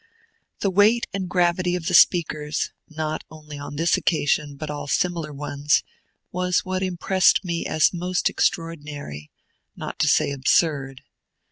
The weight and gravity of the speakers, not only on this occasion, but all similar ones, was what impressed me as most extraordinary, not to say absurd.